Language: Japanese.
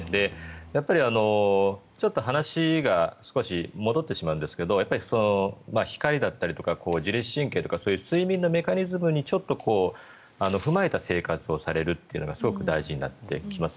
やっぱり話が少し戻ってしまうんですけど光だったりとか自律神経だったり睡眠のメカニズムを踏まえた生活をされるのがすごく大事になってきます。